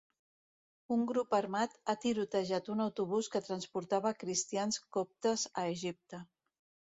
Un grup armat ha tirotejat un autobús que transportava cristians coptes a Egipte.